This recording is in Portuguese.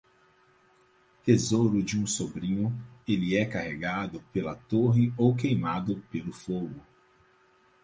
Tesouro de um sobrinho, ele é carregado pela torre ou queimado pelo fogo.